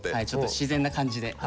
ちょっと自然な感じで。